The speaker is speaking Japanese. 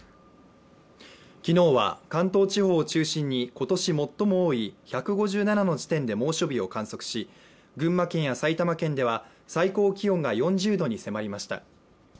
昨日は関東地方を中心に今年最も多い１５７の地点で猛暑日を観測し、群馬県や埼玉県では最高気温が４０度に迫りました。